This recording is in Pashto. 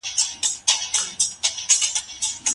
تخصصي بحثونه په کمیسیون کي څنګه کیږي؟